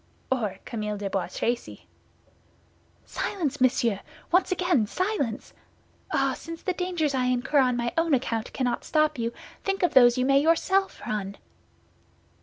"Or Camille de Bois Tracy." "Silence, monsieur! Once again, silence! Ah, since the dangers I incur on my own account cannot stop you, think of those you may yourself run!"